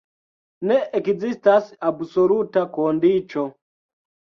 Ne ekzistas absoluta kondiĉo.